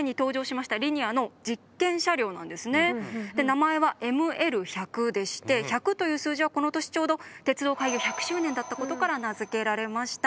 名前はＭＬ１００でして１００という数字はこの年ちょうど鉄道開業１００周年だったことから名付けられました。